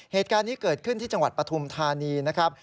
เหตุการณ์นี้เกิดขึ้นที่จังหวัดปฐุมธานีนะครับ